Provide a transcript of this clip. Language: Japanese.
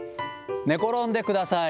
寝転んでください。